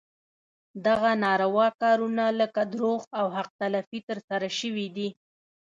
دغه ناروا کارونه لکه دروغ او حق تلفي ترسره شوي دي.